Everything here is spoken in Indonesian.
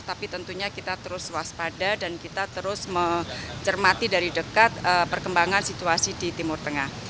tapi tentunya kita terus waspada dan kita terus mencermati dari dekat perkembangan situasi di timur tengah